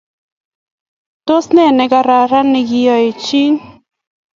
tos nee nekararan neki iyochi chii?